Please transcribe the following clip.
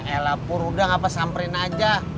elah purudang apa samperin aja